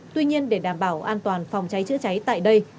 tuy nhiên để đảm bảo an toàn phòng cháy chữa cháy tại đây